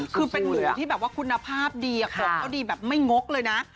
คือเป็นหมูที่แบบว่าคุณภาพดีของเขาดีแบบไม่งกเลยนะ